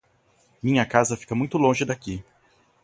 Minha casa fica muito longe daqui.